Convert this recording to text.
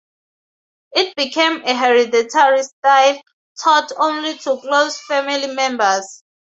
It became a "hereditary style", taught only to close family members.